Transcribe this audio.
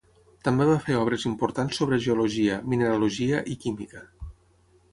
També va fer obres importants sobre geologia, mineralogia i química.